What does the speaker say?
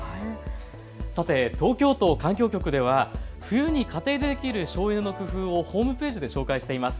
さて、東京都環境局では冬に家庭でできる省エネの工夫をホームページで紹介しています。